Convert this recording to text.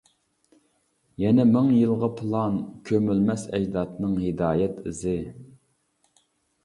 يەنە مىڭ يىلغا پىلان، كۆمۈلمەس ئەجدادنىڭ ھىدايەت ئىزى.